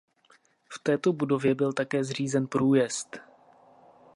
V této budově byl také zřízen průjezd.